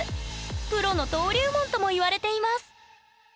プロの登竜門ともいわれています。